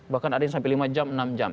bahkan ada yang sampai lima jam enam jam